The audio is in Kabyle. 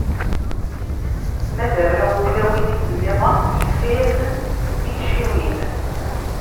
Ma d arraw n tlawin-is-nniḍen, ifka-asen tikciwin.